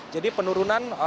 jadi penurunan juga banyak